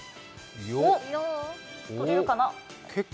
おっ取れるかな。